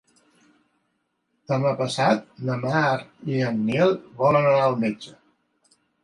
Demà passat na Mar i en Nil volen anar al metge.